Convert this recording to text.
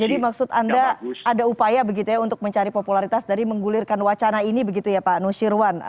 jadi maksud anda ada upaya untuk mencari popularitas dari menggulirkan wacana ini begitu ya pak nusirwan